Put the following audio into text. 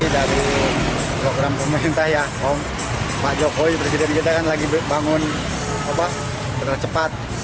dari program pemerintah ya pak jokowi presiden presiden kan lagi bangun opah terlalu cepat